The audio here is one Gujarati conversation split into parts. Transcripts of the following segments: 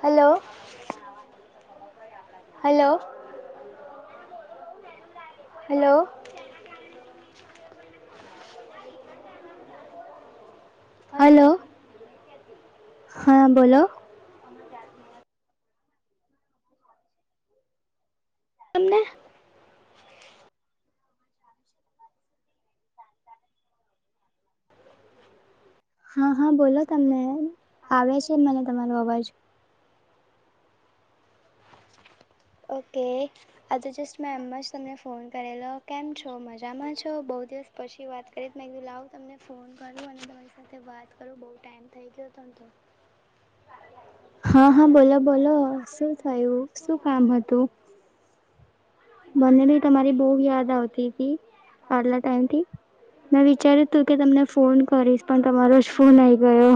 હલો હલો હલો [inaudible] હલો હા બોલો તમને હા હા બોલો તમને આવે છે મને તમારો અવાજ ઓકે આજે જસ્ટ મે એમ જ તમને ફોન કરેલો કેમ છો મજા જામાં છો બોવ દિવસ પછી વાત કરીત મે કીધું લાવ તમને ફોન કરું અને તમારી સાથે વાત કરું બોવ ટાઈમ થઈ ગયો તોને તો [inaudible] હા હા બોલો બોલો શું થયું શું મને ભી તમારી બોવ યાદ આવતી હતી આટલા ટાઈમથી મેં વિચાર્યું તું કે તમને ફોન કરીશ પણ તમારો જ ફોન આઈ ગયો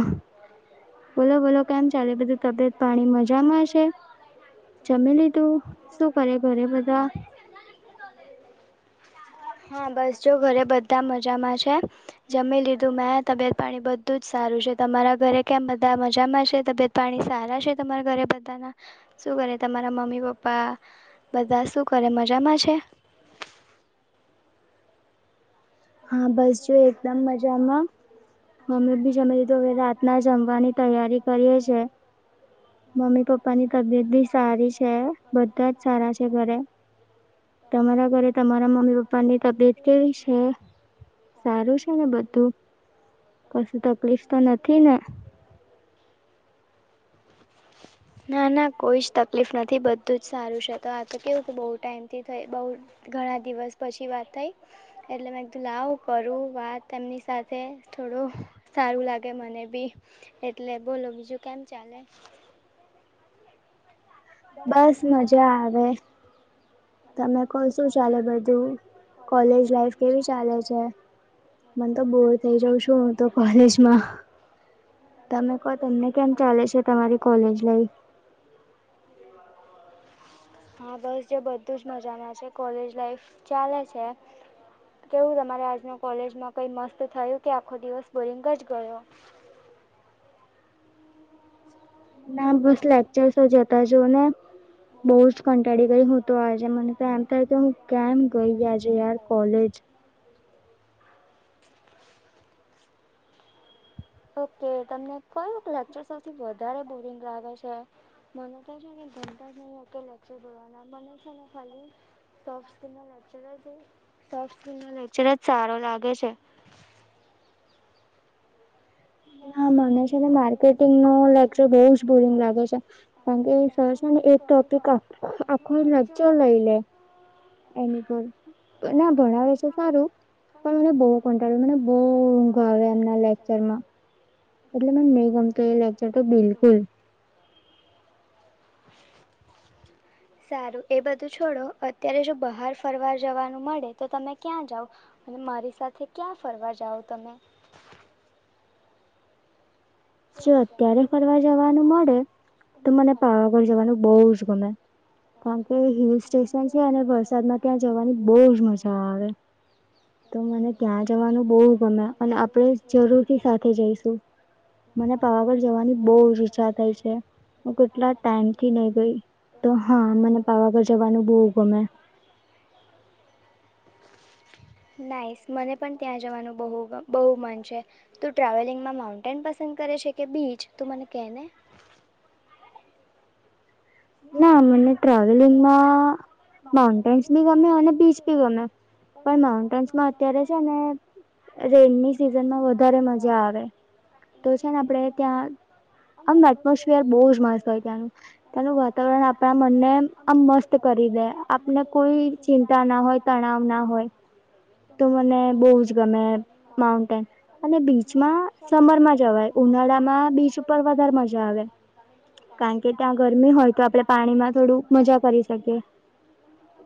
બોલો બોલો કેમ ચાલે બધું તબિયત પાણી મજામાંશે જમે લીધુ શું કરે ઘરે બધા [inaudible] હા બસ જો ઘરે બધા મજામાં છે જમી લીધું મેં તબિયત પાણી બધું જ સારું તમારા ઘરે કેમ બધા મજામાં છે તબિયત પાણી સારા છે તમારા ઘરે બધાના શું કરે તમારા મમ્મી પપ્પા બધા શું કરે મજામાં છે. હા બસ જોય એકદમ મજામાં મમ્મી બી જમી લીધુ અવે રાત ના જમવાની તૈયારી કરીએ છે મમ્મી પપ્પાની તબિયત બી સારી છે બધા જ સારા છે ઘરે તમારા ઘરે તમારા મમ્મી પપ્પાની તબિયત કેવી છે. [unintelligible] ના ના કોઈ જ તકલીફ નથી બધ ધું જ સારું છે તો આ તો કેવું કે બહુ ટાઈમથી થય બોવ ઘણા દિવસ પછી વાત થઈ એટલે મે એ કીધું લાવ કરું વાત એમની સા થે થોડું સારું લાગે મને બી એટલે બોલો બીજું કેમ ચાલે બસ મજા આવે તમે પણ શું ચાલુ બધું કેમ ચાલે છે. મને તો બોર થઈ જાઉં છું હું તો કોલેજમાં તમે કહો તમને કેમ ચાલે છે તમારી કોલેજ લાઈફ [inaudible] હા બસ જો બધું જ મજામાં છે કોલેજ લાઈફ ચાલે છે. કેવું તમારે આજના કોલેજમાં કઈ મસ્ત થયું કે આખો દિવસ બોરિંગ જ ગયો. [inaudible] ના બસ લેક્ચરસો જતા જુ ને બઉુ જ કંટાળી ગઈ હું તો આજે મને તો એમ થાય કે હું કેમ ગઈજ જે આર કોલેજ ઓકે તમને લેક્ચર સૌથી વધારે બોરિંગ લાગે છે. મને તો છે ને ઘતા જ નહીલ છે ભવાના મને છે ને ખાલી સોફસના લેચર છે. ન લેક્ચર જ સારો લાગે છે. ના મમ્મી છે માતી વાતો ઘું છે કાર કે ના એક ટોપિક આખો મજ્જા લઈ લ હ. એની પર ના ભણાવે છે સારું. પણ મને બહુ કંટાળ્યો મને બહુ ઊંઘ આવ એમના લેક્ચર માં એટલે મને મેં ગમતો એ લાગજ તો બિલકુલ. [inaudible] સારું એ બધું છોડો અત્યારે જો બહાર ફરવાર જવાનું મળે તો તમે ક્યાં જાવ. અને મારી સાથે ક્યાં ફરવા જાઓ તમે. જો અત્યારે ફરવા જવાનું મળે. તો મને પાવાગઢ જવાનું બહુ જ ગમે. કારણ કે હિલ સ્ટેશન છે અને વરસાદમાં ત્યાં જવાની બહુજ મજા આવે. તો મને ત્યાં જવાનું બહુ ગમે અને આપણે જરૂર થી સાથે જઈશું. હ. મને પાવાગઢ જવાની બહુ જ ઈચ્છા થઈ છે. હું કેટલા ટાઈમ થી નઈ ગઈ તો હા મને પાવાગઢ જવાનું બહવુ ગમે. [inaudible] નાઈસ મને પણ ત્યાં જવાનું બુ બહુ મન છે તું ટ્રાવેલિંગમાં માઉન્ટેન પસ પંદ કરે છે કે બીજ તું મને કે ને ના મને ટ્રાવેલિંગમાં માઉન્ટેન્સ બી ગમે અને બીચ બી ગમે પણ માઉન્ટેન્સ માં અત્યારે છે ને રેનની સિઝનમાં વધારે મજા આવે. તો છે ને આપડે ત્યાં આમ એટમોસફિયર બહુ જ મસ્ત હોય ત્યાંનું ત્યાંનું વાતાવરણ આપણા મનને આમ મસ્ત કરી દે આપને કોઈ ચિંતા ના હોય તણાવ ના હોય. હ. તો મને બહુ જ ગમે માઉન્ટેન અને બીચમાં સમરમાં જવાય. ઉનાળામાં બીચ ઉપર વધારે મજા આવે કારણ કે ત્યાં ગરમી હોય. તો આપડે પાણીમાં થોડું મજા કરી શકીએ.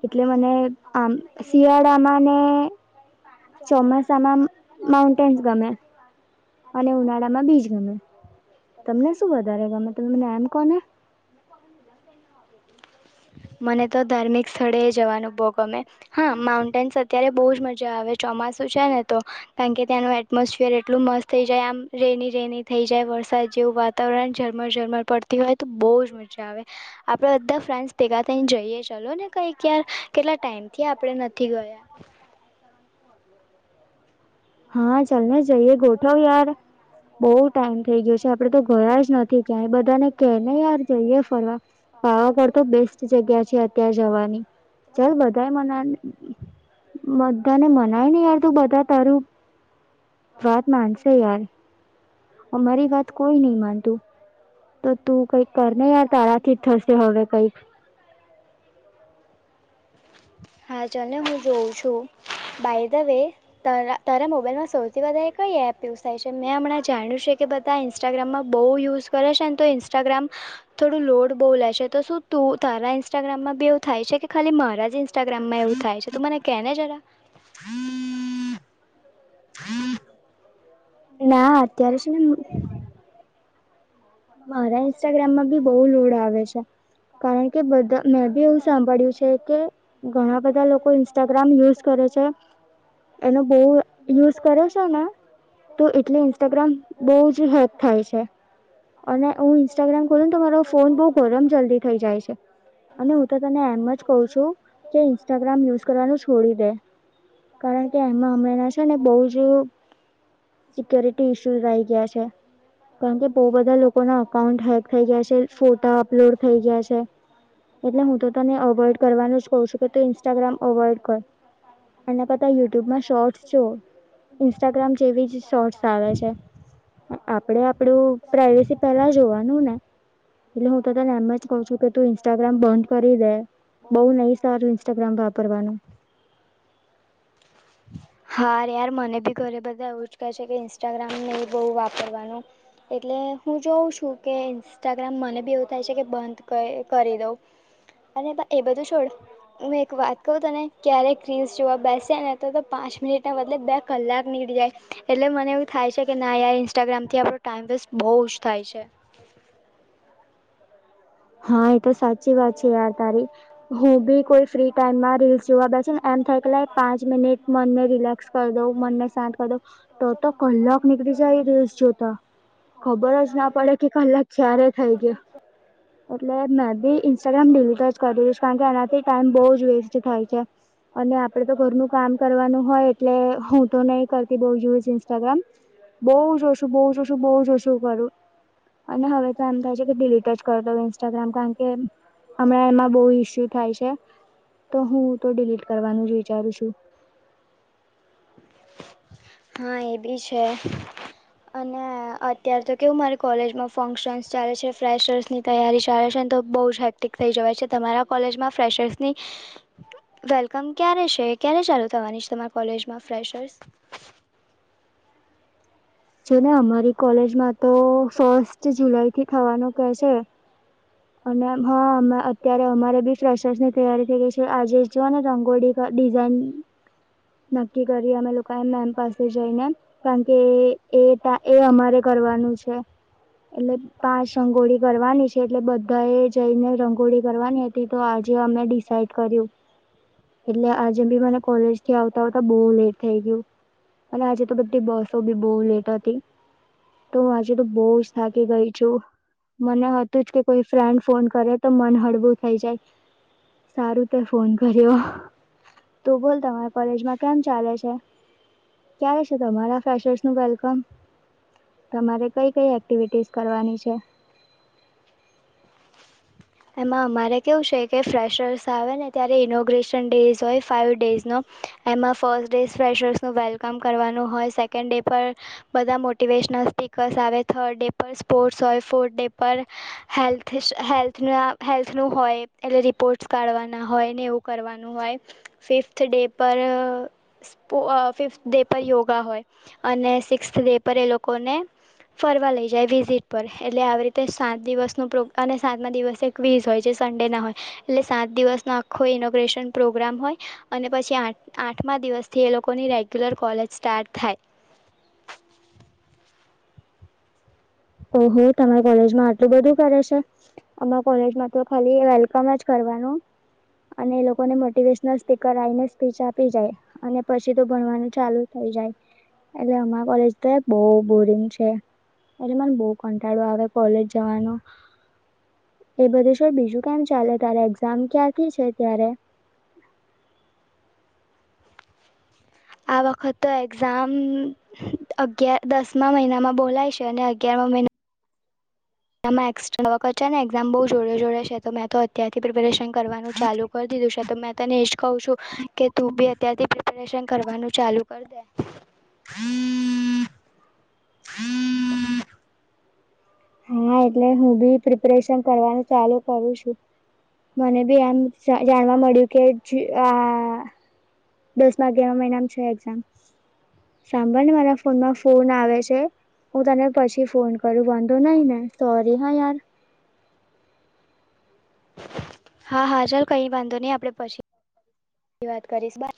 એટલે મને આમ શિયાળામાં ને ચમ ના નાઉવાને અને મારામાં ન જ ગ ત શું વધારે ગને ના એમ કોનું હ મને તો ધાર્મિક સ્થળે જવાનું બહ ગમે હા માઉન્ટેન અ્યારે બહુ જ મજા આવે ચોમાસુ છે ને તો કારણ કે ત્યાંનું એટમોસફિયર એટલું મસ્ત થઈ જાય આમ. જેની રની થઈ જાય વરસાદ જેવું વાતાવરણ ઝરમર ઝરમર પડતી હોય તો હવે આપડે બધા ફ્રેન્ડ્સ ભેગા થઈને જઈએ ચાલ ને કઈકયાર. કેટલા ટાઈમ થી આપડે નથી ગયા. હા ચલને જઈએ ગોઠવ યાર. બહુ ટાઈમ થઈ ગયો છે આપડે તો ગયા જ નથી ક્યાય બધાને કેને યાર જઈએ ફરવા. પાવા પડતો બેસ્ટ જગ્યા છે અત્યારે જવાની ચાલ બધા મના મધધાને મનાય ને યાર તું બધા તારું વાત માનશે યાર હ મારી વાત કોઈ નહી માનતું. તો તું કઈક કરને યાર તારાથી જ થશે હવે કઈક [inaudible] હા ચાલ ને હું જોઉં છું બાય ધ વે તરા તાર મોબાઈલમાં સૌ થી બધા એ કઈ એપ યુઝ થાય છે મેં હમં જાણ્યું છે કે બધા ઇન્સ્ટાગ્રામમાં બહુ યુઝ કરે છે ને તો ઇન્સ ગ્રામ થોડું લોડ બહુ લે છે તો શું તુ ત તારા ઇન્સ્ટાગ્રામમાં બી એવું થાય છે કે ખાલી મારા જ ઇન્સ્ટા ઇન્સ્ટાગ્રામમાં એવું થાય છે તો મને કે ને જરા ના અત્યારે સુ ને મારા ઇન્સ્ટાગ્રામમાં બી બહુ લોડ આવે છે. કારણ કે બધા મેં બી એવું સાંભળ્યું છે કે ઘણા બધા લોકો ઇન્સ્ટાગ્રામ યુઝ કર એનો બહુ યુઝ કરે છે ને તો એટલે ઇન્સ્ટાગ્રામ બહુ જ હેક થાય છે અને હું ઇન્સ્ટાગ્રામ ખોલુ તો તમારો ફોન બઉ ગરમ જલ્દી થઇ જાય છે. અને હું તો તને એમ જ કહ છું કે ઇન્સ્ટાગ્રામ યુઝ કરવાનું છોડી દે કારણ કે એમાં હમણાં ના છે ને બહુ જ સિક્યોરિટી ઇસ્યુઝ આઇ ગયા છે કારણ કે બહુ બધા લોકો ના અકાઉન્ટ હેક થઈ ગયા છે ફોટા અપલોડ થઈ ગયા છે. એટલે હું તો તને અવોઈડ કરવાનું જ કહ છું કે તું ઇન્સ્ટાગ્રામ અવોઇડ કર એના કરતાં યુટ્યુબમાં શોર્ટ્સ જો ઇન્સ્ટાગ્રામ જેવી જ શોર્ટ્સ આવે છે. આપડે આપડું પ્રાઈવેસી પેહલા જોવાનું ને એટલે હું તો તને એમ જ કઉ છું કે તું ઇન્સ્ટાગ્રામ બંધ કરી દે બઉ નઈ સારું ઇન્સ્ટાગ્રામ વાપરવાનું. [inaudible] હા યાર મને બી ઘરે બધા એવું જ કહે છે કે ઇન્સ્ટાગ્રામ નઇ બહુ વાપરવાનું એટલે હું જોઉં છું કે ઇન્સ્ટાગ્રામ મને બી એવું થાય છે કે બંધ કરી દઉં અરે એ બધું છોડ હું એક વાત કઉ તને ક્યારે રિલ્સ જોવા બેસે ને તો તો પાંચ પાંચ મિનિટના બદલે બે કલાક નીકળી જાય એટલે મને એવું થાય છે કે ના યાર ઇન્સ્ટાગ્રામથી આપણો ટાઈમ વેસ્ટ બહુુજ થાય છે. હા એ તો સાચી વાત છે યાર તારી હું બી કોઈ ફ્રી ટાઈમમાં રીલસ જોવા બેસ એમ થાય કે લાય પાંચ મિનિટ મનને રિલેક્સ કર દઉ મનને શાંત કરી દઉ તો તો કલાક નીકળી જાય રીલ્સ જોતા ખબર જ ના પડે, કે કલાક ચ્યારે થઈ ગયો. એટલે મેં બી ઇન્સ્ટાગ્રામ ડિલીટ જ કર દઈશ, કારણ કે, એનાથી ટાઈમ બહુ જ વેસ્ટ થાય છે. અને આપડે તો ઘરનું કામ કરવાનું હોય, એટલે હું તો નહી કરતી બોઉ જોઈશ ઇન્સ્ટાગ્રામ. બોઉ જોશું, બોઉ જોશું, બોઉ જોશું કરું. અને હવે તો એમ થાય છે કે ડિલીટ જ કર દવ ઇન્સ્ટાગ્રામ. કારણ કે, હમણાં એમાં બહુ ઈસ્યુ થાય છે. તો, હું તો ડિલીટ કરવાનું જ વિચારું છું. હા, એ બી છે. અને ને અત્યારે તો કેવું મારી કોલેજમાં ફંક્શનસ ચાલે છે. ફ્રેશર્સની તૈયારી ચાલે છે, ને તો બહુ જ હેક્ટિક થઈ જવાય છે. તમારા કોલેજમાં ફ્રેશર્સની વેલકમ ક્યારે છે? ક્યારે ચાલુ થવાની છે તમારા કોલેજમાં ફેશર્સ. જો ને અમારી કોલેજમાં તો ફર્સ્ટ જુલાઈ થી થવાનું કે છે. અને હા મ અ ત્યારે અમારે બી ફ્રેશસ ની તૈયારી થઈ ગઈ છે. આજે જોઓ ને રંગોળી ક ડિઝાઇન નક્કી કરી અમે લોકોએ મેમ પાસે જઈને. કારણ કે એ તા એ અમારે કરવાનું છે. એટલે પાંચ રંગોળી કરવાની છે. એટલે બધ બધા એ જઈને રંગોળી કરવાની હતી, તો આજે અમે ડિસાઈડ કર્યું. એટલે આજે ભી મને કોલેજ થી આવતા-આવતા બહુ લેટ થઈ ગયું. અને આજે તો બધી બસો બી બહુ લેટ હતી. તો, હું આજે તો બહુ જ થાકી ગઈ છું. મને હતું જ કે કોઈ ફ્રેન્ડ ફોન કરે તો મન હળવું થઈ જાય. સારું તે ફોન કર્યો. હઅ.. હ્અ તું બોલ તમારા કોલેજમાં કેમ ચાલે છે? ક્યારે છે તમારા ફેશર્સ નું વેલકમ? તમારે કઈ-કઈ એક્ટિવિટીસ કરવાની છે? [inaudible] એમાં અમારે કેવું છે, કે ફ્રેશર્સ આવે ને ત્યારે ઇનોગ્રેશન ડેઝ હોય ફાઇવ ડેઝનો. એમાં ફર્સ્ટ ડે ફ્રેશર્સનું વેલકમ કરવાનું હોય, સેકન્ડ ડે પર બધા મોટિવેશનલ સ્ટીકર્સ આવે, થર્ડ ડે પર સ્પોર્ટ્સ હોય, ફોર્થ ડે પર હેલ્થ હેલ્થના હેલ્થનું હોય એટલે રિપોર્ટ્સ કાઢવાના હોય ને એવું કરવાનું હોય, ફિફ્થ ડે પર અ.. અ ફિફ્થ ડે પર યોગા હોય અને સિક્સ્થ ડે પર એ લોકોને ફરવા લઈ જાય વિઝિટ પર, એટલે આવી રીતે સાત દિવસનું પ્રો અને સાતમા દિવસે ક્ીઝ [unintelligible] હોય જે સંડે ના હોય. એટલે સાત દિવસ નો આખો ઇનોગ્રેશન પ્રોગ્રામ હોય. અને પછી આઠ આઠમા દિવસથી લોકોની રેગ્યુલર કોલેજ સ્ટાર્ટ થાય. ઓહો! તમારે કોલેજમાં આટલું બધું કરે છે. અમારી કોલેજમાં તો ખાલી વેલકમ જ કરવાનું. અને એ લોકોને મોટેશન ના સ્પીકર આવીને સ્પીચ આપી જાય. અને પછી તો ભણવાનું ચાલુ થઇ જાય. એટલે હમારા કોલેજ તો એ બહ બોરિંગ છે. એટલે મને બહુ કંટાળું આવે, કોલેજ જવાનો. એ બધું છે, બીજું કેમ ચાલે? તારે એક્ઝામ ક્યાંથી છે? ત્યારે અ [inaudible] આ વખત તો એક્ઝામ અગિયાર દસમા મહિનામાં બોલાય છે અને અગિયારમા મહિના એમાં એક્સ્ટ્રા વર્ક છે ને એક્ઝામ બહુ જોડે-જોડે છે. તો મે તો અત્યારથી પ્રિપેરેશન કરવાનું ચાલુ કરી દીધું છે. તો મેં તને એ જ કહું છું. કે તું બી અત્યારથી પ્રિપરેશન કરવાનું ચાલુ કરી દે. હમ [inaudible] હા. એટલે હું બી પ્રિપરેશન કરવાનું ચાલુ કરું છું. મને બી એમ જા જાણવા મળ્યું, કે આ. દસ અગિયાર મહિનામાં છે એક્ઝામ. સાંભળ ને મારા ફોનમાં ફોન આવે છે. હું તને પછી ફોન કરું વાંધો નહીને સોરી હા યાર. હા હા ચાલ કઈ વાંધો નહી આપડે પછી હ વાત કરીશ બા.